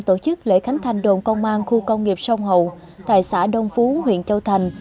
tổ chức lễ khánh thành đồn công an khu công nghiệp sông hậu tại xã đông phú huyện châu thành